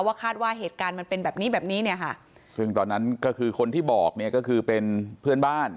คาดว่าเหตุการณ์มันเป็นแบบนี้แบบนี้เนี่ยค่ะซึ่งตอนนั้นก็คือคนที่บอกเนี่ยก็คือเป็นเพื่อนบ้าน